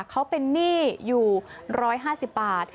เขาเป็นหนี้อยู่๑๕๐บาท